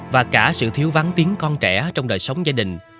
và cả sự thiếu vắng tiếng con trẻ trong đời sống gia đình